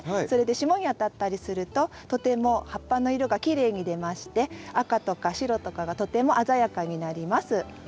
それで霜にあたったりするととても葉っぱの色がきれいに出まして赤とか白とかがとても鮮やかになります。